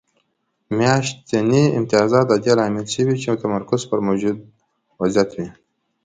میاشتني امتیازات د دې لامل شوي وو چې تمرکز پر موجود وضعیت وي